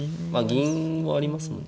銀はありますよね。